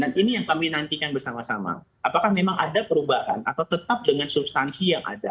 dan ini yang kami nantikan bersama sama apakah memang ada perubahan atau tetap dengan substansi yang ada